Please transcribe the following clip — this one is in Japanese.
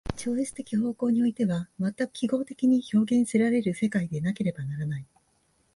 超越的方向においては全く記号的に表現せられる世界でなければならない。